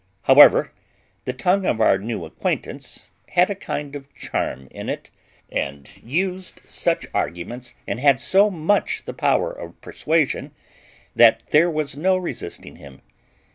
However, the tongue of our new acquaintance had a kind of charm in it, and used such arguments, and had so much the power of persuasion, that there was no resisting him.